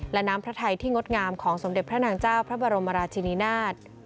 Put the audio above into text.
และน้ำพระไทยที่งดงามของสมเด็จพระนางเจ้าพระบรมราชินินาศ